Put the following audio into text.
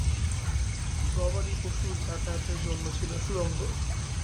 গবাদিপশুর যাতায়াতের জন্য ছিল সুড়ঙ্গ।